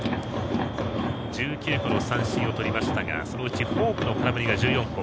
１９個の三振をとりましたがそのうちフォークの空振りが１４個。